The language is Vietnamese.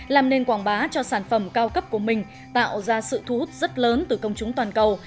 làm nên quảng bá cho sản phẩm cao cấp của mình tạo ra sự thu hút rất lớn từ công chúng toàn cầu